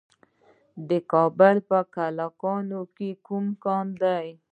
د کابل په کلکان کې کوم کانونه دي؟